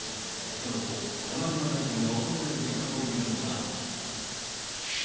その後、山際大臣が訪れていたというのが。